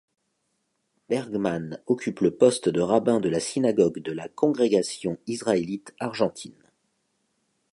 Bergman occupe le poste de rabbin de la synagogue de la Congrégation Israélite Argentine.